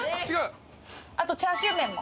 あとチャーシューメンも。